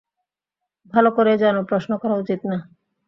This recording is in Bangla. ভালো করেই জানো প্রশ্ন করা উচিত না।